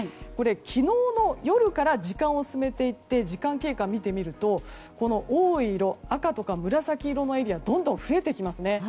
昨日の夜から時間を進めていって時間経過を見てみると多い色、赤とか紫色のエリアがどんどん増えてきますね。